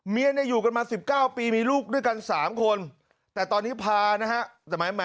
เมียเนี่ยอยู่กันมา๑๙ปีมีลูกด้วยกัน๓คนแต่ตอนนี้พานะฮะ